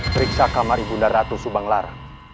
beriksaka maribunda ratu subang larang